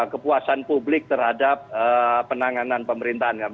kepuasan publik terhadap penanganan pemerintahan